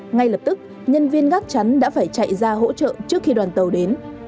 ngay lập tức nhân viên gắt chắn đã phải chạy ra hỗ trợ trước khi đoàn tàu đến